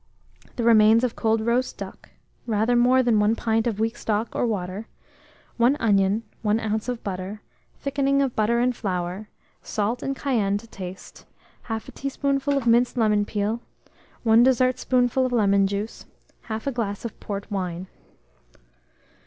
The remains of cold roast duck, rather more than 1 pint of weak stock or water, 1 onion, 1 oz. of butter, thickening of butter and flour, salt and cayenne to taste, 1/2 teaspoonful of minced lemon peel, 1 dessertspoonful of lemon juice, 1/2 glass of port wine.